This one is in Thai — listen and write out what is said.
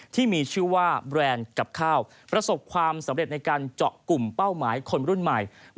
ที่มีชื่อว่าแบรนด์กับข้าวประสบความสำเร็จในการเจาะกลุ่มเป้าหมายคนรุ่นใหม่